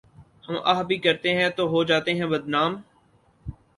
ہم آہ بھی کرتے ہیں تو ہو جاتے ہیں بدنام